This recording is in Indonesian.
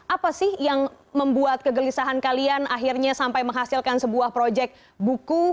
apa sih yang membuat kegelisahan kalian akhirnya sampai menghasilkan sebuah proyek buku